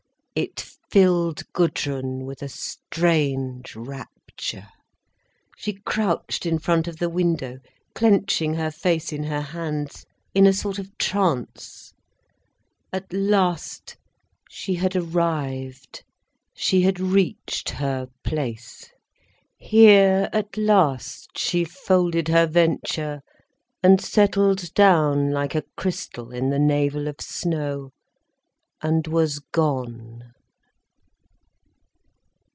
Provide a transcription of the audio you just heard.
It filled Gudrun with a strange rapture. She crouched in front of the window, clenching her face in her hands, in a sort of trance. At last she had arrived, she had reached her place. Here at last she folded her venture and settled down like a crystal in the navel of snow, and was gone.